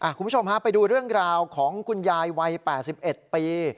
คุณผู้ชมฮะไปดูเรื่องราวของคุณยายวัย๘๑ปี